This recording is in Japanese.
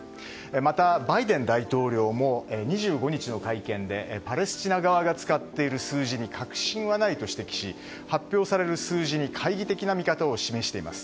また、バイデン大統領も２５日の会見でパレスチナ側が使っている数字に確信はないと指摘し発表される数字に懐疑的な見方を示しています。